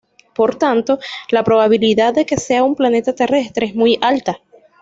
Por tanto, la probabilidad de que sea un planeta terrestre es muy alta.